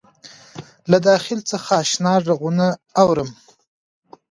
له داخل څخه آشنا غــــــــــږونه اورم